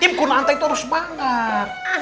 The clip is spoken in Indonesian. tim kuno antar itu harus semangat